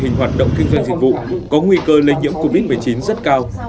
hình hoạt động kinh doanh dịch vụ có nguy cơ lây nhiễm covid một mươi chín rất cao